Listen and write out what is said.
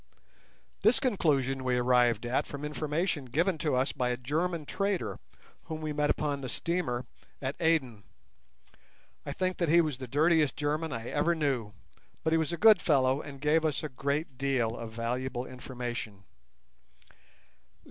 This conclusion we arrived at from information given to us by a German trader whom we met upon the steamer at Aden. I think that he was the dirtiest German I ever knew; but he was a good fellow, and gave us a great deal of valuable information.